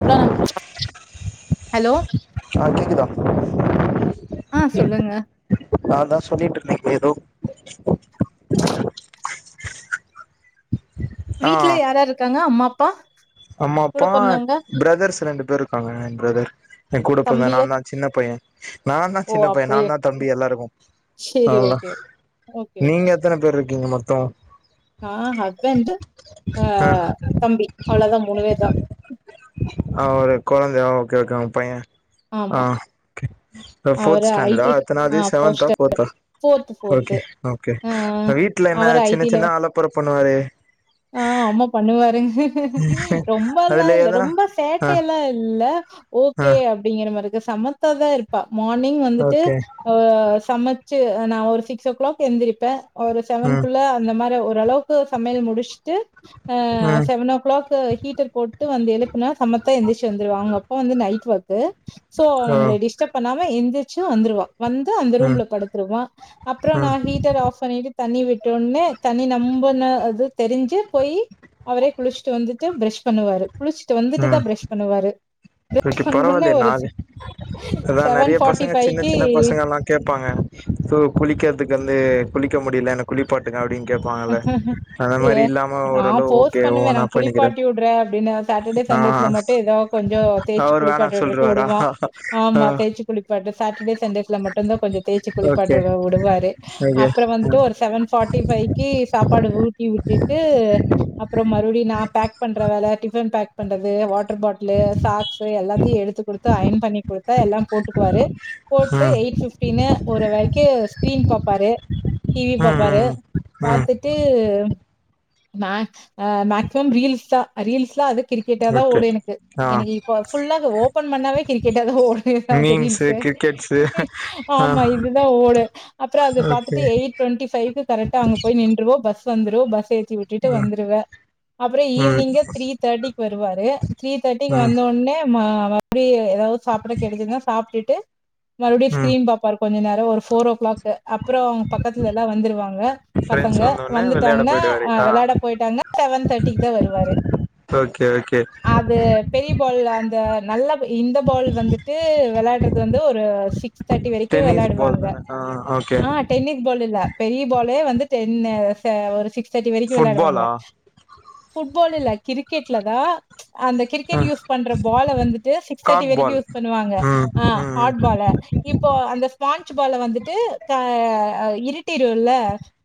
அவளோ தான் ஹலோ ஆ கேக்குதா ஆஹ் சொல்லுங்க நான் தான் சொல்லிட்டு இருந்தேன்ங்க ஏதோ ஆ ஆ வீட்டு்ல யார்யார் இருக்காங்க அம்மா பப்ப அம்மா அப்பா பிரதர்ஸ் ரெண்டு பேர் இருக்காங்க என் பிரதர் என் கூட பொறந்த தம்பிய நான் தான் சின்ன பையன் நான் தான் ஓ சின்ன பையன் அப்டியா நான் தான் தம்பி எல்லாருக்கும் ஆ சேரி ஓகே நீங்க எத்தனை பேர் இரு ருகிங்க மொத்தம் நான் ஹஸ்பண்ட் ஆ அஹ் தம்பி அவ்ளோதான் மூணு பேர் தான் ஆஹ் ஒரு குழந்தையா ஓகே ஓகே உங்க பையன் ஆ ஆமா ஓகே போர்த்து அவரு ஐ ஸ்டான்டர்டா டி எத்தனாவது ஆ செவன்த்தா போஸ்டர் போர்த்தா ஃபோர்த்து ஓகே ஃபோர்த்து ஓகே ஆ வீட்டுல என்ன சின்ன சின்ன ஆலப்புற பண்ணுவாரு ர் ஆஹ் ஆமா பண்ணுவாரு அஹ ஹ ரொம்பல்லாம் அதுல இல்ல எதனா ரொம்ப ஆ சேட்டைய எல்லாம் இல்ல ஆ ஓகே அப்படிங்கற மாதிரி சமத்தாதான் இருப்பான் மார்னிங் வந்துட்டு ஓகே சம ச நான் ஒரு சிக்ஸ் ஓ கிளாக் எழுந்திரிருப்பேன் ஒரு ம் செவன்க்குள்ள அந்த மாதிரி ஒரு அளவுக்கு சமையல் முடிச்ச ம் செவன் ஓ கிளாக் ஹீட்டர் போட்டு வந்து எழுப்புனா சமத்தா எந்திரச்சு வந்திடுவாங்க அவங்க அப்பா வந்து நைட் ஓர்க்கு சோ ஓ அவங்களை டிஸ்டர்ப் பண்ணாம எந்த வந்துருவா வந்து அந்த ம் ரூம்ல படுத்துருவான் அப்புறம் ம் நான் ஹீட்டர் ஆஃப் பண்ணிட்டு தண்ணி விட்டவுடனே தண்ணி நொம்புன அது தெரிஞ்சு போய் அவரே குளிச்சுட்டு வந்துட்டு பிர்ஷ் பண்ணுவாரு குளிச்சிட்டு வந்துட்டு தான் பிரஷ் பண்ணுவாரு பிரஷ் இன்னக்கி பண்ணோனே பரவாயில்லேயே ஒரு நாளு அதான் நிறைய பசங்க சின்ன சின்ன பசங்கள் எல்லாம் கேட்பாங்க குளிக்கிறதுக்கு வந்து குளிக்க முடியல என்னை குளிப்பாட்டுக்க அப்படின்னு ஏ நான் ஓரளவு போர்ஸ் ஓகே ஓ பண்ணுவேன் நா நான் பண்ணிக்கிறே குளிப்பாட்டி விடுறேன் அப்படின்னு சாட்டர்டே ஆ சன்டேஸ்ல மட்டும் ஏதோ கொஞ்சம் தேய்ச்சு அவரு வேணா குளிப்பாட்டறது சொல்ருவாரா விடுவான் ஆ ஆமா தேய்ச்சு குளிப்பாட்ட சட்டர்டே சண்டேஸ்ல மட்டும் தான் கொஞ்சம் தேய்ச்சு ஓகே குளிப்பாட்ட விடுவாரு ஓகே அப்புறம் வந்துட்டு ஒரு செவன் ஃபார்டிபைக்கு சாப்பாடு ஊட்டி விட்டுட்டு அப்புறம் மறுபடியும் நான் பேக் பண்ற வேலை டிபன் பேக் பண்றது வா வாட்டர் பாட்டிலு சாக்ஸ் எல்லாத்தையும் கொடுத்து அயன் பண்ணி போட்டா எல்லா போட்டுக்குவாரு போட்டு ம் எயிட்பிப்டின் ஒரு வெங்ஙையர் ஸ்கிரீன் பாப்பாரு டிவி ம் பாப்பாரு ம் ம் ம் பாத்துட்டு த்தும் மேக்ஸ் அ மேக்சிமம் ரீல்ஸ்யா ரீல்ஸ்லா அதுக் கிரிக்கெட்டா தா ஓகே ஓடு எனக்கு ஆ எனக்கு இப்ப ஃபுல்லா அத ஓப்பன் பண்ணாவே கிரிக்கெட்டாதா ஓடுது அந்த மீம்ஸு ரீல்ஸ்சு கிரிக்கெட்ஸு ஆ ஆமா இதுதா ஓடு அப்புறோ அது ஓகே பாத்துட்டு எயிட் டுவெண்டி ஃபைவுக்கு கரக்ட்டா அங்க போய் நின்றுவோ பஸ் வந்துரு பஸ் ஏறி தாட்டி உட்டுட்டு ம் வந்துருவ அப்புறோ ம் ஈவினிங்கு த்ரீ தேட்டிக் வருவாரு த்ரீ தேட்டிக் ம் வந்த ஒன்னே ஆமா அது அப்டி எதாவது சாப்புட கெடச்சுதுன்னா சாப்டுட்டு மறுபடியு ம் ஸிக்ரீன் பாப்பாரு கொஞ்ச நேரோ ஒரு ஃபோர் ஓ கிளாக்கு அப்புறோ அவங்க பக்கத்துல எல்லா வந்துருவாங்க ஃப்ரெண்ட்ஸ் பசங்க வந்தோனே வெளையாட வந்துட்டாங்கன்னா போயிடுவாரு ஆ வெளையாட போயிட்டாங்கன்னா செவன் தேட்டிக்குதா வருவாரு ஓகே ஓகே அது பெரிய பால் அந்த நல்ல இந்த பால் வந்துட்டு வெளையாடுறது வந் ந்து ஒரு சி சிக்ஸ் தேட்டி வரைக்கு டென்னிஸ் பால் வெளையாடுவாங்க தான ஆ ஓகே ஆ டென்னிஸ் பால் இல்ல பெரிய பாலே வந்து டென்னச ஒரு சிக்ஸ் சிக்ஸ் தேட்டி வரைக்கு வெளையாடுவாங்க ஃபுட்பாலா ஃபுட்பால் இல்ல கிரிக்கெட் ட்லதா அந்த ஆ கிரிக்கெட் யூஸ் பண்ற பால வந்துட்டு சிக்ஸ் தேட்டி காக் வரைக்கு பால் யூஸ் பண்ணுவாங்க ம் ஆ ம் ஹாட் பால இப்போ அந்த ஸ்பான்சு பால வந்துட்டு க ஆ இருட்டிருல்ல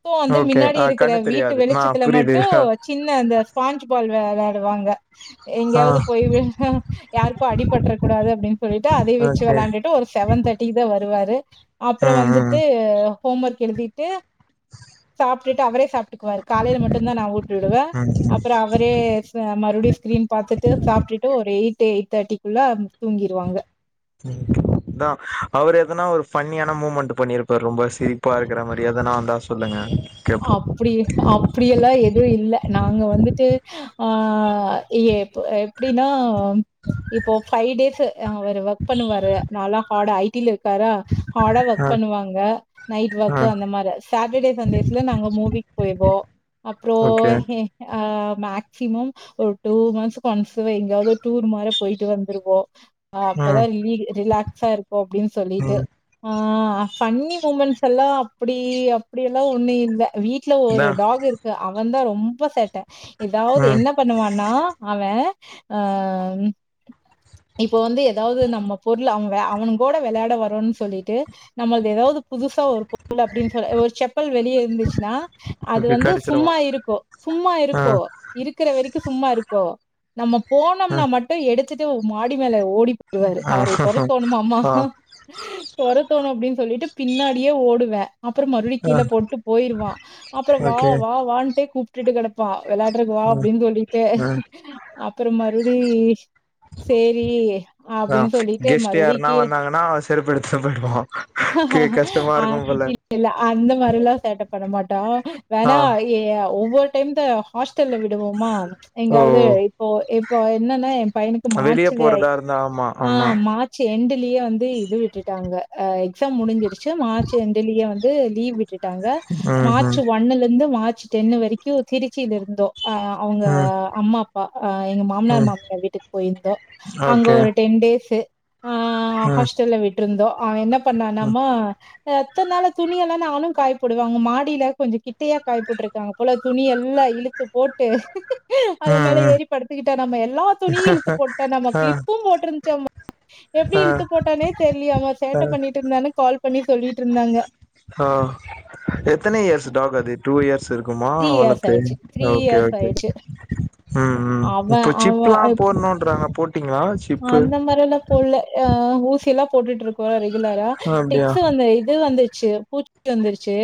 தோ வந்து ஓகே மின்னாடி ஆ இருக்குற கண்ணு வீ தெரியாது ஆ வெளிச்சத்துல புரியுது மட்டு சின்ன அந்த ஸ்பான்ஞ்சு பால் வெ வெளையாடுவாங்க ஆ எங்கயாவது போய் யாருக்கு அடிபட்டுருக்க கூடாது அப்டின் சொல்லிட்டு அதை வெச்சு ஓகே வெளாண்டுட்டு ஒரு செவன் தேட்டிக்குதா வருவாரு அப்புறோ ம் வந்துட்டு ம் ஹோம் ஒர்க் எழுதி ட்டு சாப்டுட்டு அவரே சாப்டுக்கு காலைல மட்டுந்தா நா ஊட்டி உடுவ ம் அப்புறோ அவரே சா மறுபடியு ஸ்கிரீன் பாத்துட்டு சாப்டுட்டு ஒரு எயிட் டு எயிட் தேட்டிக்குள்ள தூங்கிருவாங்க அதா அவர் எதனா ஒரு ஃப்பன்னியான மூமெண்ட்டு பண்ணிருப்பாரு ரொம்ப சிரிப்பா இருக்குற மாரி எதனா இருந்தா சொல்லுங்க கேப்போ அப்பிடி அப்பிடி எல்லா எதுவு இல்ல நாங்க வந்துட்டு ஆ எப் எப்டினா இப்போ ஃபைவ் டேஸ் ஆ அவரு ஒர்க் பண்ணுவாரு நல்லா ஹார்டா ஐ டி ல இருக்காரா ஹார்டா ஆ ஒர்க் பண்ணுவாங்க நைட் ஆ வொர்க்கு அந்த மார சாட்டர்டேஸ் சண்டேஸ் ல நாங்க மூவிக்கு போய்ருவோ அப்றோ ஓகே எ ஆ ஆ மேக்சிமம் ஒரு டூ மந்த்ஸ்க்கு ஒன்ஸ் எங்கயாவது ஒரு டூர் மார போயிட்டு வந்துருவோ அப்பதா ம் ரிலீ ரிலாக்ஸா இருக்கு அப்பிடின் சொல்லிட்டு ம் ஆ ஆ ஃபன்னி மூமெண்ட்ஸ் எல்லா அப்படி அப்படி எல்லாம் ஒண்ணு இ வீட்ல ஒரு அதா டாக் இருக்கு அவன்தா ரொ ம்ப சேட்ட எதாவது ம் என்ன பண்ணுவான்னா அவே ஆ இப்போ வந்து எதாவது நம்ம பொருள் அவ அவன்கூட வெளையாட வரணுன்னு சொல்லிட்டு நம்மளது எதாவது புதுசா ஒரு பொருள் அப்டின்னு சொல்ல ஒரு செப்பல் வெளிய இருந்து ச்சுனா அது ஓகே வந்து கடிச்சிருவோ சும்மா இருக்கு சும்மா ஆ இருக்கு இருக்குற வரைக்கு சும்மா இருக்கு நம்ம ஆ போனம்னா மட்டு எடுத் துட்டு மாடி மேல ஓடிப்போயிருவாரு ஆ அவரை தொரத்தோணுமாம்மா தொரத்தோணு அப்டின்னு சொல்லிட்டு பின்னாடியே ஓடுவ அப்புற மறுபடி ஆ கீழ போட்டு போயிருவா அப்புறோ வா ஓகே வா வான்ட்டு கூப்ட்டுட்டு கெடப்பா வெளையாடறுக்கு வா ம் அப்டின்னு சொல்லிட்டு ம் அப்றோ மறுபடி சேரி ஆ அப்டின்னு சொல்லிட்டு கெஸ்ட் மறுபடி யாருன்னா கீழ வந்தாங்கன்னா செருப்பு எடுத்துட்டு போயிடுவா கே கஷ்டமா ஆ இருக்கும் போல இல்ல இல்ல அந்த மாரில்லா சேட்ட பண்ண மாட்டா ஆ வேண்ணா ஏ ஒவ்வொரு டைம் இந்த ஹாஸ் ட்டல்ல விடுவோமா ஓ எங்காவது இப்போ இ இப்ப என்னன்னா எம் பையனுக்கு வெளிய மார்ச்சுல ஆய் போறதா இருந்தா ஆமா ஆ ஆமா மார்ச் எண்டு லயே வந்து இது விட்டுட்டாங்க ஆ எக்ஸாம் முடிஞ்சிருச் சு மார்ச் எண்டுலியே வந் து லீவ் விட்டுட் டாங்க ம் மார்ச் ம் ஒன்னுலெந்து மார் ச் டென்னு வரைக்கு திருச்சியிலிருந்தோ ஆ அவுங்க ம் அம்மா அப்பா ஆ எங்க மாமனார் ம் மாமியார் வீட்டுக்கு போயிருந்தோ அங்க ஓகே ஒரு டென் டேஸு ஆ‌ ம் ஹாஸ்டல்ல விட் ருந்தோ அவெ என்ன ம் பண்ணானம்மா பத்து நாளா துணியெல்லா நானு காய போடுவாங்க மாடில கொஞ்ச கிட்டையா காய போட்ருக்காங்க போல துணி எல்லா இழுத்து போட்டு அது ம் மேல ம் ஏறி படுத்துக்கிட்டானாமா எல்லா துணியு இழுத்து போட்டானாமா ஆ கிளிப்பு போட்ருந்ச்சாமா எப்டி ஆ இழுத்து போட்டான்னே தெர்லயாமா ஆ சேட்ட பண்ணிட்ருந்தானு கால் பண்ணி சொல்லிட்ருந்தாங்க ஹோ எத்தன இயர்ஸு டாக் அது டூ இயர் ஸ் இருக்குமா த்ரீ இயர்ஸ் வளத்து ஆயிடுச்சு த்ரீ ஓகே இயர்ஸ் ஓகே ஆயிடுச்சு ம் ம் அவ இப்ப அவ சிப்லா போட்னுன்றாங்க போட் அந்த மாரியெல்லா போல்ல ஆ ஊசியல்லா போட்டுட்ருக்கோ ரெ குலரா அப்டியா டெக்ஸு வந்து இது வந்துச்சு பூச் சி வந்துருச்சு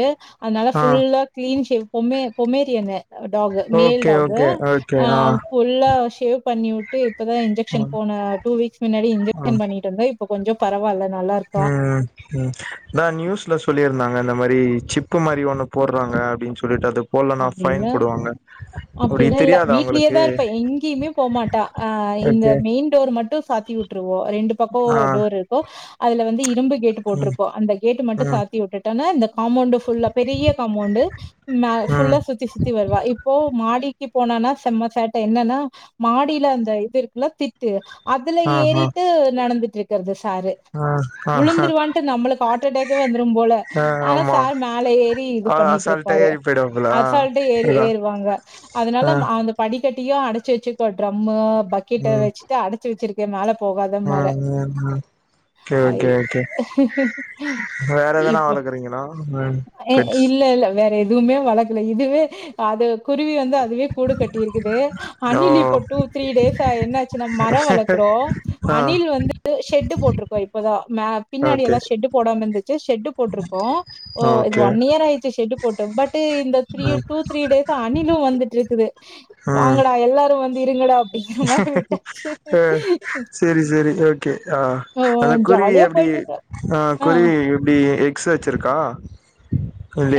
அதுனால ஆ ஃபுல்லா கிளீன்ஷேவ் பொமே பொமேரியனு டாகு மேல் ஓகே டாகு ஓகே ஓகே ஆ ஃபுல்லா ஷேவ் பண்ணிவுட்டு இப்பதா இ்ஞ்ஜெக்க்ஷன் ஆ டூ வீக்ஸ் முன்னாடி ஆ இன்ஜெக்ஷன் பண்ணிட்டு வந்து இப்ப கொஞ்சொ பரவால்ல நல்லா இருக்கா ம் ம் ம் அதா நியூஸ்ல சொல்லிருந்தாங் க இந்த மாரி சிப்பு மாரி ஒன்னு போர்றாங்க அப்டின் சொல்லிட்டு அது போல்லனா ஃபைன் போடுவாங்க அப்டி அப்பில்லா இல்ல தெரியாதா வீட்லயே உங்களுக்கு தா இருப்பா எங்கயுமே போ மாட்டா ஆ இந்த ஓகே மெயின் டோர் மட்டு சாத்தி வுட்ருவோ ரெண்டு பக்கோ ஆ டோர் இருக்கு அதுல வந்து இரும்பு கேட்டு ம் போட்ருக்கோ அந்த கேட்டு மட்டு ம் சாத்தி உட்டுட்டனா இந்த காம்பௌண்டு ஃபுல்லா பெரிய காம்போண்டு மேல் ம் ஃபுல்லா சுத்தி சுத்தி வருவா இப் இப்போ மாடிக்கு போனானா செம்ம சேட்ட என்னன்னா மாடியில அந்த இது இருக்குல்ல திட்டு அதுல ஆ ஆ ஏறிட்டு நடந்துட் ட்ருக்குறது தாரு ஆ ஆ உழுந்துருவான்ட்டு நம்மளுக் ஆட்டடேக்கு வந்துரும் போல ஆ ஆனா ஆமா சார் மேல ஏறி இது ஆ பண்ணிட்டு அசால்ட்டா இருப்பாரு ஏறி போயிடுவாங்களா அசால்ட்டா ஏறி அதா ஏறு ங்க அதனால ஆ மா அந்த படி கிரிக்கெட்டடியு அடச்சு வெச்சு காட்றோம்மா பக்கெட்ட ம் வெச்சுட்டு அடச்சு வெச்சுருக் ய மேலப் போகாத மாற ம் ம் ம் ஓகே அய் ஓகே ஓகே வேற எதனா இப்ப வளக்குறீங்களா ம் அ பெட்ஸ் இல்ல இல்ல வேற எது எதுமே வளக்கல இதுவே அது குருவி வந்து அதுவே கூடுக்கட் டிருக்குது ஓ அணில் இப்ப டூ த்ரீ டேஸ்சா என்னாச்சுனா மரோ வளக்குறோ ஆ அணில் வந்து ஷெட்டு போட்ருக்கோ இப்பதா மே பின்னாடி ஓகே எல்லா ஷெட்டு போடாம இருந்து சு ஷெட்டு போட்ருக்கோ ஓ இது ஓகே ஒன் இயர் ஆயிருச்சு ஷெட்டு போட்டு பட்டு இந்த த்ரீய ம் டூ த்ரீ டேஸ்ஸா அணிலு வந்துட்ருக்குது வாங்கடா எல்லாரு வந் தீருங்கடாப் அ சேரி சேரி ஓகே ஆ ஓ அதா குருவி ஜாலியா எப்டி போயிட்ருக்கு ஆ குருவி எப்டி எக்ஸ்ஸு வெச்சுருக்கா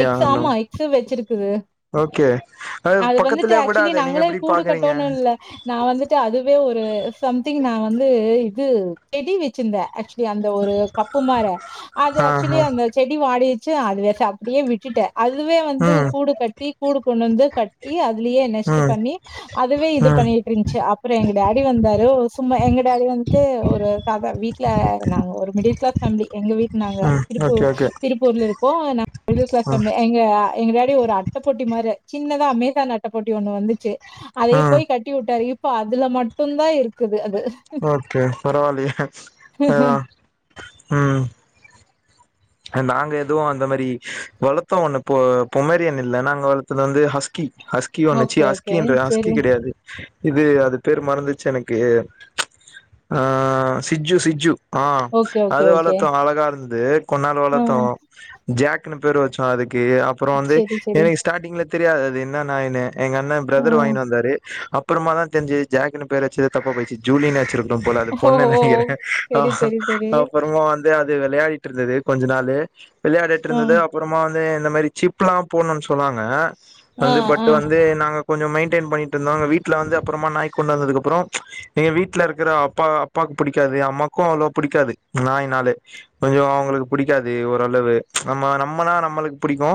எக்ஸ் ஆமா எக்ஸ்ஸு வெச்சுருக் க்குது ஓகே அது வந்துட்டு பக்கத்துலயே ஏக்சுவலி விடாத நீங்க நாங்களே எப்டி கூடு பாக்குறீங்க கட்டோன்னுன் இல்ல நா வந்துட்டு அது எதோ ஒரு சம்திங் நா வந்து இது செடி வெச்சுருந்த ஏக்ச் வலி அந்த ஒரு கப்பு மாற அது ஆ ஏக்சுவலி ஆ அந்த செடி வாடி ச்சா அதுவே சப் அப்டியே விட்டுட்ட அதுவே வந்து ம் கூடு கட்டி கூடு கொண்டு வந்து கட் டிய அ துலயே நெஸ்ட்டு ம் பண்ணி அதுவே இது ம் பண்ணிட்ருந்ச்சு அப்புறொ எங்க டாடி வந்தாரு சும்மா எங்க டாடி வந்துட்டு ஒரு சாதா வீட்ல நாங்க ஒரு மிடில் கிளாஸ் ஃபேமிலி எங்க வீட் நாங்க ம் திருப்பூ ஓகே ஓகே திருப்பூர்ல இரு க்கோ ஆனா மிடில் கிளாஸ் ம் ஃபேம்லி எங்க எங்க டாடி ஒரு அட்டப்பொட்டி மாரி சின்னதா அமேசான் அட்டப்பொட்டி ஒன்னு வந்துச்சு அதையே ம் போய் கட்டி வுட்டாரு இ ப்ப அதுல மட்டுந்தா இருக்குது அ ஓகே பரவால்லயே அதா ம் நாங்க எதுவு அந்த மாரி வளத்தோ ஒன்னு பொ பொமேரியன் இல்ல நாங்க வளத்தது வந்து ஹஸ் கி ஹஸ்கி ஒன்னு சீ ஓகே ஓகே ஹஸ்கின்றே ஹஸ்கி சரி கெடையாது இது அது பேர் மறந்துச்சு எனக்கு ஆ சிஜ்ஜு சிஜ்ஜு ஆ ஓகே ஓகே அது ஓகே வளத்தோ அழகா இருந் து கொஞ்நாள் ஆ வளத்தோ ஜாக் குனு பேரு வச்சோ அது க்கு அப்பறோ வந்து சரி சரி எனகு ஸ்டார்ட்டிங்ல தெரியாது அது என்ன நாய்னு எங்க அண்ண ஆ பிரதர் வாங்கினு வந்தாரு அப் புறமா தா தெரிஞ்சு ஜாக்குனு பேர்வச்சது தப்பா போய்ச்சு ஜூலின்னு வச்சிரு க்னு போல அது ஓ பொண்ணு ஓ ஓ. நெனக்கிறே ஆ சரி சரி சரி அப்பறமா வந்து அ து வெளையாடிட்ருந்தது கொஞ்ச நாளு ஆ விளயாடிட்ருந்தது அப்புறமா வ ந்து இந்த மாரி சிப்லா போட்னுன் சொன்னாங்க ஆ வந்து ஆ பட் வந்து நாங்க கொஞ்சொ மெயின்டைன் பண்ணிட்ருந்தாங்க வீட்ல வந்து அப்புறமா நாய்க் கொண்டாந்ததுக்கப்புறொ எங்க வீட்ல இருக்குற அப்பா அப்பாக்கு புடிக்காது அம்மாக்கு அவ்ளோ புடிக்காது நாய்னாலே கொஞ்சொ அவுங்களுக்கு புடிக்காது ஓரளவு நம்ம நம்மனா நம்மளுக்கு புடிக்கு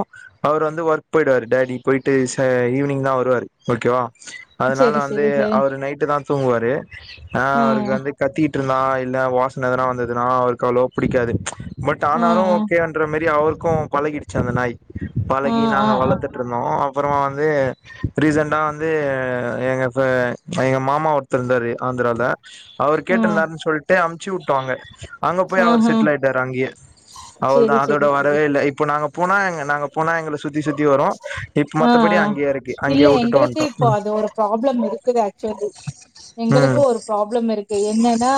அவர் வந்து ஒர்க் போயிடுவாரு டாடி போயிட்டு சா ஈவ்னிங் தா வருவாரு ஓகேவா அதுனால சரி வந்து சரி சரி அவரு நைட்டு தா தூங்குவாரு ஆஹ் ஆ அவருக்கு வந்து கத்தி விட்டு இருந்தா இல்ல வாசனை வந்ததுன்னா அவருக்கு அவ்வளக்கு புடிக்காது பட் ஆ ஆ ஆனாலும் ஓகே ன்ற மாரி அவரு எல்லாக்கும் பழகிச்சு அந்த நாய் ஆ பழகி ஆ நாங்க ஆ வளர்த்துட்டு இருந்தோம் அப்புறமா வந்து ரீசெண்ட வந்து எங்கள் எங்கள் மாமா ஒருத்தர்இருந்தாரு ஆந்திரால அவர் ஆ கேட்டிருந்தாருன்னு சொல்லிட்டு அ வச்சு விட்டாங்க அங்க போய் அவர் ஆஹா செட்டில் ஆயிட்டாரு அங்கயே சரி அவ்ளவுதான் அதோட சரி சரி வரவில்ல இல்லை இப்ப நாங்க போனாங்க நாங்க போனா எங்களுக்கு ஆஹ் இருக்கு இல்ல அங்கயே வுட்டுட்டு எங்களுக்கு வந்ட்டோ இப்போ அது ஒரு ப்ராப்ளம் இருக்குது ஆக்சோலிசலி ம் எங்களுக்கும் ஒரு ப்ராப்ளம் இருக்கு என்னன்னா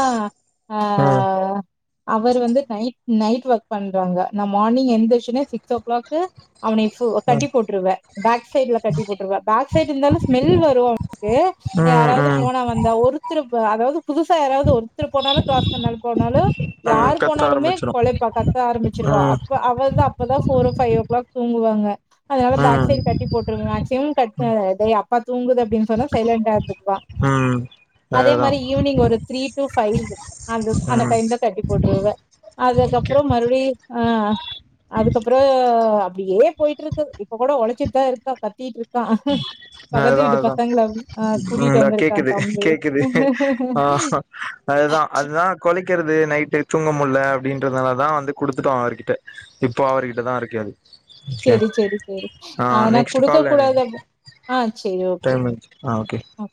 ம் ஆஹ் அவர் வந்து நைட்டூ நைட்டூ ஒர்க் பண்றாங்க நான் மார்னிங் எந்துருச்சோனே சிக்ஸ் ஓ கிளாக் அவனை ம் கட்டி போட்டுருவேன் பேக் சைட்லடு கட்டி போட்டுருவேன் பேக் சைடு இருந்தாலும் ஸ்மெல் வரும் அவனுக்கு ம் யாராவது ம் ம் போனா வந்தா ஒருத்தர்க்கு அதாவது புதுசா யாவது ஒருத்தர் போனாலும் கிராஸ் பண்ணாலும் போனாலும் ம் யார் கத்த போனாலுமே ஆரம்பிச்சிரு கொலைக்க கத்த ஆரம்பிச்சிருவம் ம் அப்ப அவன் அப்பதான் போபர் ஃபைவ் ஓ கிளாக் தூங்குவாங்க அதனால பேக் ம் சைடு கட்டி போட்டுருங்க மேக்சிமம் அப்பா தூங்குது அப்படின்னு சொன்னா சைலண்டா இருந்துக்குவான் ம் அதே அதேதா மாதிரி ஈவினிங் ஒரு த்ரீ பைவ் அந்த அந்த ம் டைம்ல கட்டி போட்டுருவேன் அதுக்கப்புறம் மறுபடியும் ஆஹ் அதுக்கப்புறம் அப்படியே போயிட்டு இருக்கு இப்ப கூட கொழைச்சிட்டுதான் இருக்கா கத்திட்டு இருக்கு அதுதா அதுதா ஆ உ கூட்டிட்டு வந்திருக்கா ம்கேக்குது தம்பி கேக்குது ஆஹ அதுதா அதுதா குலைகிறது நைட்டு தூங்க முட்ல அப்படின்றதுநல தா வந்து கொடுதுட்டோம் அவர்கிட்ட இப்போ அவர்கிட்ட தான் இருக்கு ஓகே செரி செரி செரி ஆ நெக்ஸ்ட் ஆனாகுடுக்க கால்ல கூடாது ஆ செரி ஓகே ஆ ஓகே ஆ